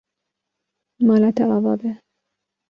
Mala te ava be.